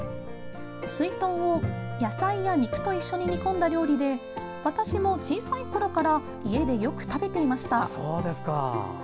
すいとんを野菜や肉と一緒に煮込んだ料理で私も小さいころから家でよく食べていました。